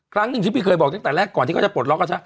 ครั้งหนึ่งที่พี่เคยบอกตั้งแต่แรกก่อนที่เขาจะปลดล็อกกระชะ